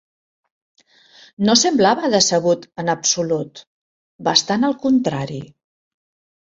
No semblava decebut en absolut; bastant al contrari.